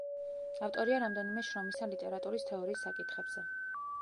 ავტორია რამდენიმე შრომისა ლიტერატურის თეორიის საკითხებზე.